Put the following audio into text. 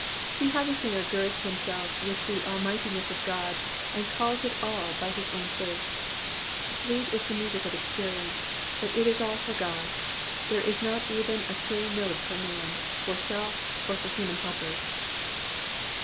See how the singer girds himself with the almightiness of God, and calls it all his own by faith. Sweet is the music of experience, but it is all for God ; there is not even a stray note for man, for self, or for human helpers.